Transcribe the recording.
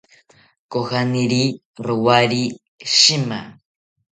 Kojaniri rowari shima